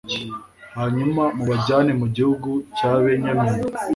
hanyuma mubajyane mu gihugu cya benyamini